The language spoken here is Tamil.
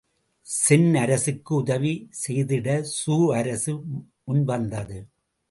சென் அரசுக்கு உதவி செய்திட சூ அரசு முன்வந்தது.